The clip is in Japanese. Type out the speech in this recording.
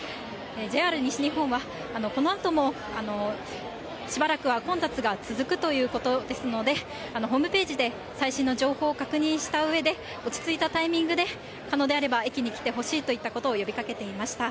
ＪＲ西日本は、このあともしばらくは混雑が続くということですので、ホームページで最新の情報を確認したうえで、落ち着いたタイミングで、可能であれば、駅に来てほしいといったことを呼びかけていました。